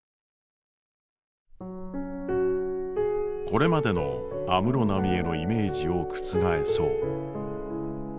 これまでの安室奈美恵のイメージを覆そう。